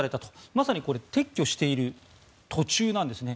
まさに撤去している途中なんですね。